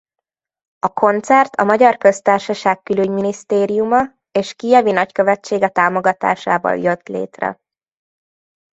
A koncert a Magyar Köztársaság Külügyminisztériuma és Kijevi Nagykövetsége támogatásával jött létre.